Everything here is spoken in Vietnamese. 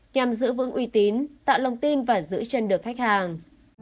nhằm giữ vững uy tín tạo lòng tin và giữ chân được khách hàng